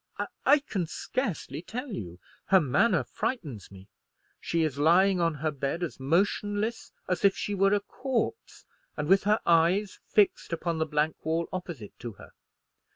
"I can scarcely tell you. Her manner frightens me. She is lying on her bed as motionless as if she were a corpse, and with her eyes fixed upon the blank wall opposite to her.